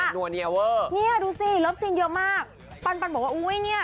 ก็แซ่บแล้วว่าเนี่ยดูสิรับซีนเยอะมากปันปันบอกว่าอุ้ยเนี่ย